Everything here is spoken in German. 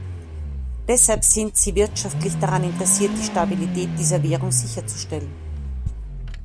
Deshalb sind sie wirtschaftlich daran interessiert, die Stabilität dieser Währung sicherzustellen.